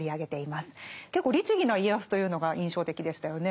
結構律義な家康というのが印象的でしたよね。